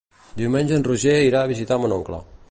Diumenge en Roger irà a visitar mon oncle.